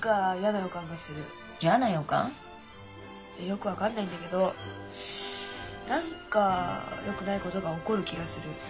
よく分かんないんだけど何かよくないことが起こる気がする。